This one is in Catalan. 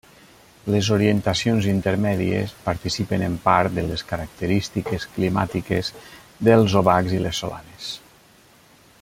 Les orientacions intermèdies participen en part de les característiques climàtiques dels obacs i les solanes.